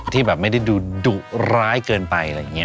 ที่แบบไม่ได้ดูดุร้ายเกินไปอะไรอย่างนี้